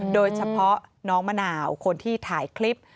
โดยเฉพาะน้องมะนาวคนที่ถ่ายคลิป